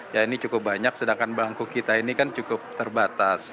ya ini cukup banyak sedangkan bangku kita ini kan cukup terbatas